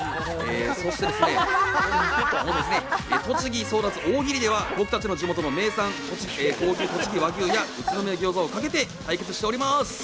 そしてですね、栃木争奪大喜利では僕たちの地元の名産、高級とちぎ和牛や宇都宮餃子をかけて対決しております。